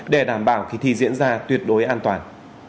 để đảm bảo kỳ thi diễn ra tuyệt đối an toàn